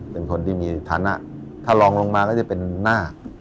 เป็นคนที่มีฐานะถ้าลองลงมาก็จะเป็นหน้า